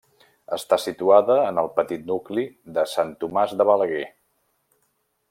Està situada en el petit nucli de Sant Tomàs de Balaguer.